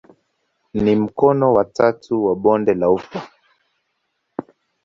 Ni mkono wa tatu wa bonde la ufa.